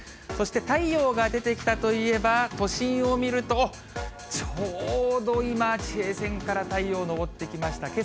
そして太陽が出てきたといえば、都心を見ると、ちょうど今、地平線から太陽昇ってきました。